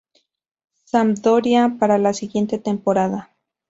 Sampdoria para la siguiente temporada.